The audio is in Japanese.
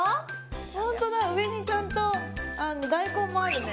ホントだ上にちゃんとあのだいこんもあるね。